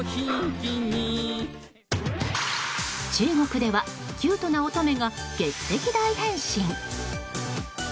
中国ではキュートな乙女が劇的大変身。